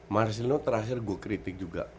marcelino terakhir gue kritik juga